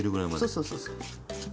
そうそうそうそう。